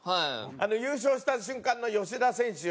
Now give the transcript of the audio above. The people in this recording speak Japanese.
優勝した瞬間の吉田選手